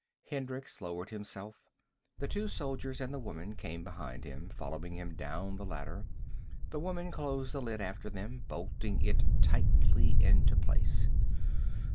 Hendricks lowered himself. The two soldiers and the woman came behind him, following him down the ladder. The woman closed the lid after them, bolting it tightly into place.